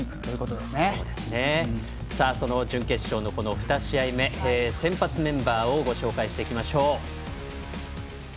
では、準決勝の２試合目先発メンバーをご紹介しましょう。